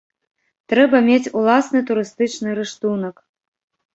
Трэба мець уласны турыстычны рыштунак.